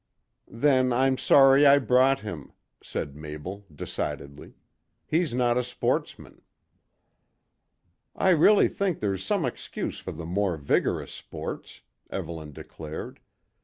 "Then I'm sorry I brought him," said Mabel decidedly. "He's not a sportsman." "I really think there's some excuse for the more vigorous sports," Evelyn declared.